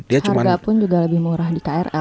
harga pun juga lebih murah di krl